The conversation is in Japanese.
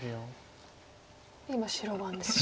今白番ですね。